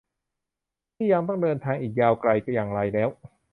ที่ยังต้องเดินทางอีกยาวไกล อย่างไรแล้ว